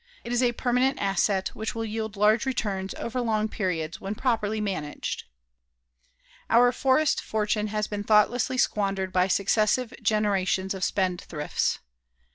It is a permanent asset which will yield large returns over long periods when properly managed. Our forest fortune has been thoughtlessly squandered by successive generations of spendthrifts.